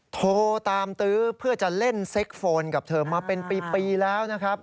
โทรตามตื้อเพื่อจะเล่นเซ็กโฟนกับเธอมาเป็นปีแล้วนะครับ